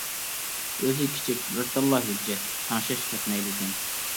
ئۆزى كىچىك، بىر تاللا ھۆججەت، تەڭشەش كەتمەيدىكەن.